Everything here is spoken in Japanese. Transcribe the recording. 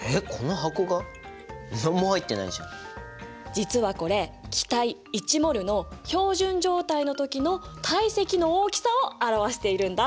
実はこれ気体１ｍｏｌの標準状態のときの体積の大きさを表しているんだ。